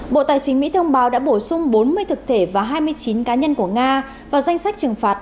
bộ tài chính mỹ thông báo đã bổ sung bốn mươi thực thể và hai mươi chín cá nhân của nga vào danh sách trừng phạt